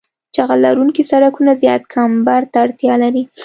جغل لرونکي سرکونه زیات کمبر ته اړتیا لري